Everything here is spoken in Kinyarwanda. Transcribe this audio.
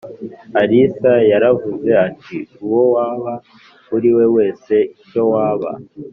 Alyssa yaravuze ati uwo waba uri we wese icyo waba